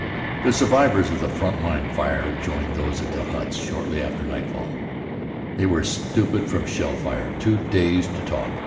The survivors of the front line fire joined those at the huts shortly after nightfall. They were stupid from shell fire, too dazed to talk.